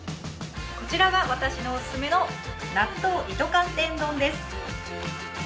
こちらが私のオススメの納豆糸寒天丼です！